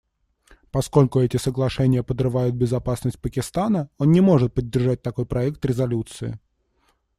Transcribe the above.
Поскольку эти соглашения подрывают безопасность Пакистана, он не может поддержать такой проект резолюции.